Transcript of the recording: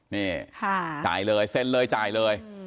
นี่จ่ายเลยเซ็นเลยจ่ายเลย